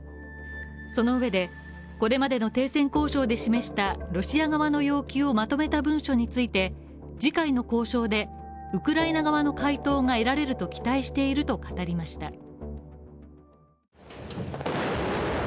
そのうえで、これまでの停戦交渉で示したロシア側の要求をまとめた文書について次回の交渉でウクライナ側の回答が得られると期待していると語りました。